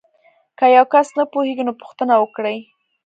که یو کس نه پوهیږي نو پوښتنه وکړئ.